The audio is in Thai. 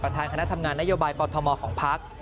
ประธานคณะทำงานนโยบายปลอดธมภ์ของพัก